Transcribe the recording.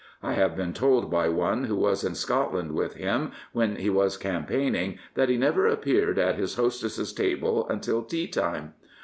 I have been told by one who was in Scotland with him when he was campaigning that he never appeared at his hostess's table until tea time.